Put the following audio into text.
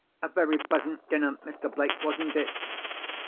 "A very pleasant dinner, Mr. Blake, wasn't it?"